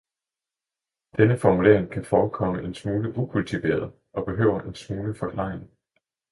Denne formulering kan forekomme en smule ukultiveret og behøver en smule forklaring.